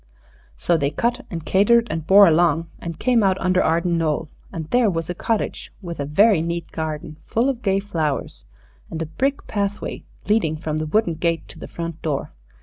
So they cut and catered and bore along, and came out under Arden Knoll, and there was a cottage, with a very neat garden full of gay flowers, and a brick pathway leading from the wooden gate to the front door.